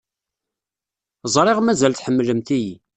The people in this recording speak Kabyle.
Ẓriɣ mazal tḥemmlemt-iyi.